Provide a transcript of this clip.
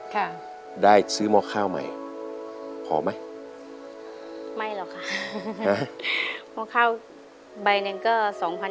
ค่ะได้ซื้อหม้อข้าวใหม่พอไหมไม่หรอกค่ะหม้อข้าวใบหนึ่งก็สองพัน